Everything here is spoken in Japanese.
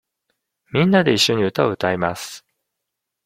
みんなでいっしょに歌を歌います。